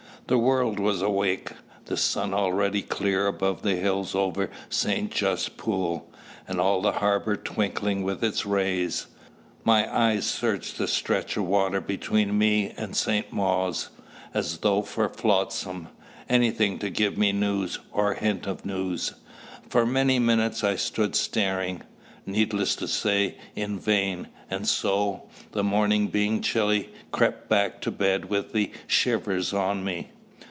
The world was awake, the sun already clear above the hills over St. Just pool, and all the harbour twinkling with its rays. My eyes searched the stretch of water between me and St. Mawes, as though for flotsam anything to give me news, or a hint of news. For many minutes I stood staring needless to say, in vain and so, the morning being chilly, crept back to bed with the shivers on me.